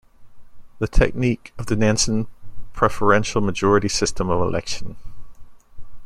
The technique of the Nanson preferential majority system of election.